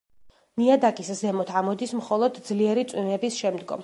ნიადაგის ზემოთ ამოდის მხოლოდ ძლიერი წვიმების შემდგომ.